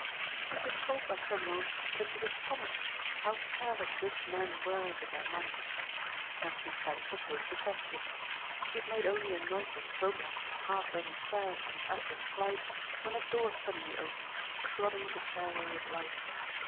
He had been told by criminals that it was astonishing how careless rich men were with their money. Anthony Trent proposed to test this. He had made only a noiseless progress on a half dozen stairs on his upward flight when a door suddenly opened, flooding the stairway with light.